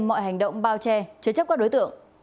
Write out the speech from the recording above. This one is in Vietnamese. mọi hành động bao che chứa chấp các đối tượng